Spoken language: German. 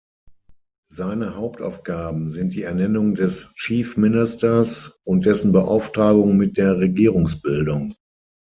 Seine Hauptaufgaben sind die Ernennung des Chief Ministers und dessen Beauftragung mit der Regierungsbildung.